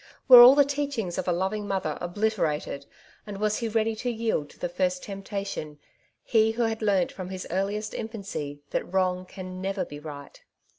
Were all the teachings of a loving mother obliterated, and was he ready to yield to the first temptation — he who had learnt from his earliest infancy that wrong can never be right